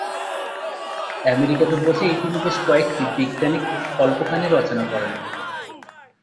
আমেরিকাতে বসেই তিনি বেশ কয়েকটি বৈজ্ঞানিক কল্পকাহিনী রচনা করেন।